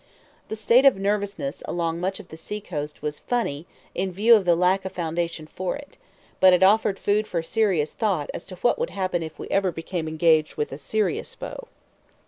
The state of nervousness along much of the seacoast was funny in view of the lack of foundation for it; but it offered food for serious thought as to what would happen if we ever became engaged with a serious foe.